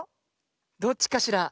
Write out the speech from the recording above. どっちかしら？